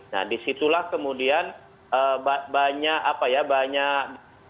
nah disitulah kemudian banyak apa ya banyak